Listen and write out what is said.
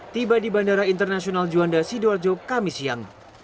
tiba di bandara internasional juanda sidoarjo kami siang